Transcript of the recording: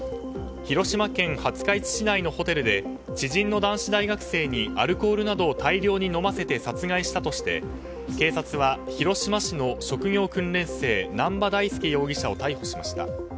広島県廿日市市内のホテルで知人の男子大学生にアルコールなどを大量に飲ませて殺害したとして警察は広島市の職業訓練生南波大祐容疑者を逮捕しました。